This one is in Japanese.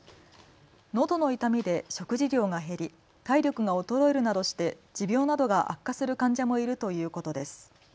のどの痛みで食事量が減り体力が衰えるなどして持病などが悪化する患者もいるということです。